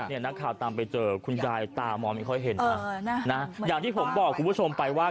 นักข่าวตามไปเจอคุณยายตามองไม่ค่อยเห็นนะอย่างที่ผมบอกคุณผู้ชมไปว่า